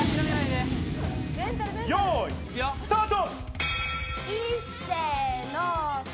よい、スタート！